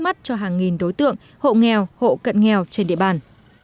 mắt cho hàng nghìn đối tượng hộ nghèo hộ cận nghèo trên địa bàn